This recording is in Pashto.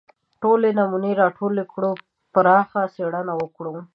ټولې نمونې راټولې کړو پراخه څېړنه وکړو